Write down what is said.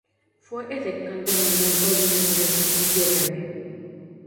Fue edecán de Manuel Oribe durante el Sitio Grande.